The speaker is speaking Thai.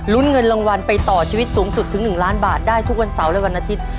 เงินรางวัลไปต่อชีวิตสูงสุดถึง๑ล้านบาทได้ทุกวันเสาร์และวันอาทิตย์